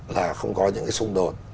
là không có những cái xung đột